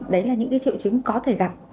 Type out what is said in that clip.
đấy là những triệu chứng có thể gặp